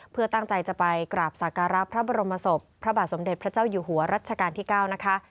เพื่อตั้งใจจะไปกราบสักการะพระบรมศพพระบาทสมเด็จพระเจ้าอยู่หัวรัชกาลที่๙นะคะ